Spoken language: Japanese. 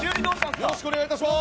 よろしくお願いします！